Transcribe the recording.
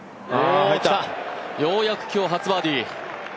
きた、ようやく今日初バーディー！